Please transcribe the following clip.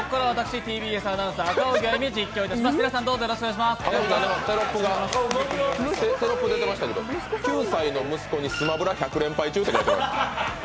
テロップ出てましたけど９歳の息子にスマブラ１００連敗中と。